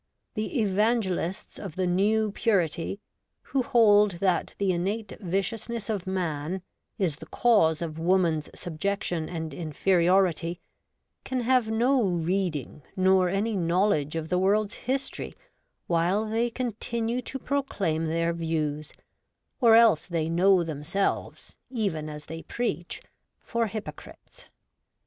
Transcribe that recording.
The Evangelists of the New Purity, who hold that the innate viciousness of man is the cause of woman's subjection and inferiority, can have no reading nor any knowledge of the world's history while they continue to proclaim their views ; or else they know themselves, even as they preach, for hypocrites.